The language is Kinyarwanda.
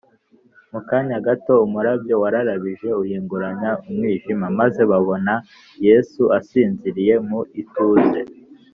mu kanya gato, umurabyo wararabije uhinguranya umwijima maze babona yesu asinziriye mu ituze,